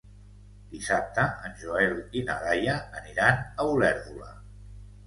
Dissabte en Joel i na Laia aniran a Olèrdola.